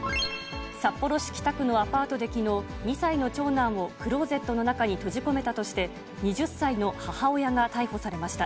札幌市北区のアパートできのう、２歳の長男をクローゼットの中に閉じ込めたとして、２０歳の母親が逮捕されました。